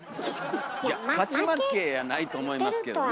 いや勝ち負けやないと思いますけどね。